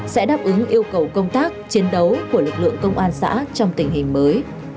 sẽ đáp ứng yêu cầu công tác chiến đấu của lực lượng công an xã trong tình hình mới